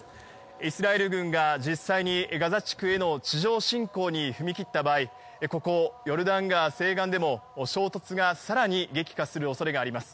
イスラエル軍が実際にガザ地区への地上侵攻に踏み切った場合ここヨルダン川西岸でも衝突が更に激化する恐れがあります。